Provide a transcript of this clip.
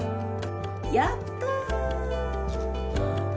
「やったー」。